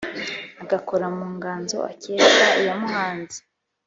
agakora mu nganzo akesha iyamuhanze